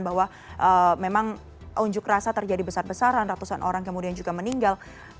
bahwa memang unjuk rasa terjadi besar besaran ratusan orang kemudian juga meninggal